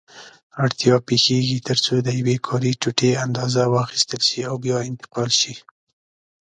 اړتیا پېښېږي ترڅو د یوې کاري ټوټې اندازه واخیستل شي او بیا انتقال شي.